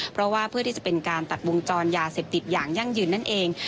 เพราะว่าเพื่อที่จะเป็นการตัดวงจรยาเสพติดอย่างยั่งยืนนั่นเอง